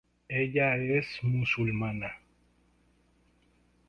Ella es musulmana.